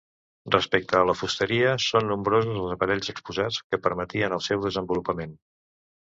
Respecte a la fusteria, són nombrosos els aparells exposats que permetien el seu desenvolupament.